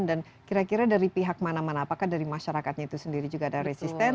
dan kira kira dari pihak mana mana apakah dari masyarakatnya itu sendiri juga ada resisten